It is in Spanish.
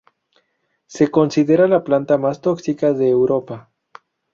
Se considera la planta más tóxica de Europa.